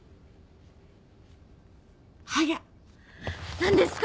何ですか？